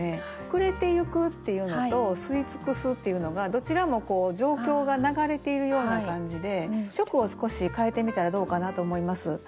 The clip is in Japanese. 「暮れてゆく」っていうのと「吸い尽くす」っていうのがどちらも状況が流れているような感じで初句を少し変えてみたらどうかなと思います。